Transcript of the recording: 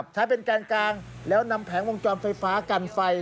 ใช้เป็นแกนกลางแล้วนำแผงวงจรไฟฟ้ากันไฟ